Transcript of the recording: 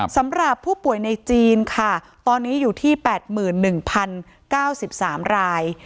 สำหรับผู้ป่วยในจีนค่ะตอนนี้อยู่ที่๘๑๐๙๓ราย